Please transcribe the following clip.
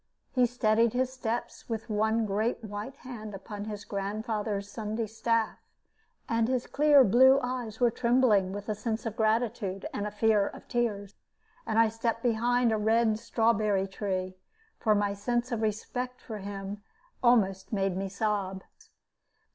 He steadied his steps with one great white hand upon his grandfather's Sunday staff, and his clear blue eyes were trembling with a sense of gratitude and a fear of tears. And I stepped behind a red strawberry tree, for my sense of respect for him almost made me sob.